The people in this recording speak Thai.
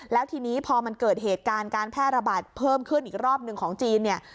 แล้วทีนี้พอมันเกิดเหตุการณ์การแพร่ระบาดเพิ่มขึ้นอีกรอบหนึ่งของจีนเนี่ย